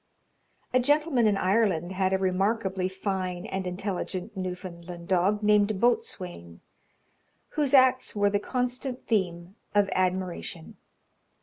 A gentleman in Ireland had a remarkably fine and intelligent Newfoundland dog, named Boatswain, whose acts were the constant theme of admiration.